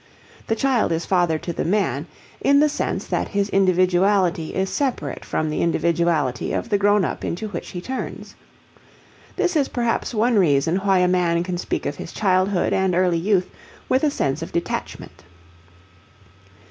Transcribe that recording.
The child is father to the man in the sense that his individuality is separate from the individuality of the grown up into which he turns. This is perhaps one reason why a man can speak of his childhood and early youth with a sense of detachment.